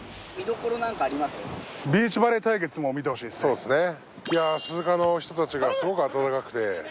そうっすね。